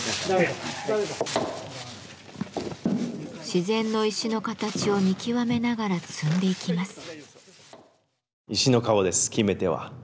自然の石の形を見極めながら積んでいきます。